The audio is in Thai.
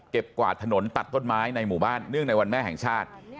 กวาดถนนตัดต้นไม้ในหมู่บ้านเนื่องในวันแม่แห่งชาติ